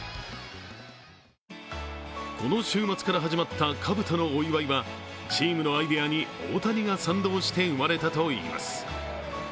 この週末から始まったかぶとのお祝いはチームのアイデアに大谷が賛同して生まれたといいます。